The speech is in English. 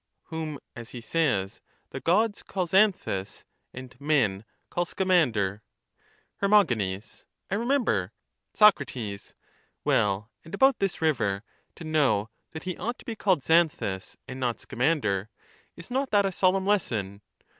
' Whom,' as he says, ' the Gods call Xanthus, and men call Scamander.' Her. I remember, Soc. Well, and about this river — to know that he ought to be called Xanthus and not Scamander — is not that a solemn lesson?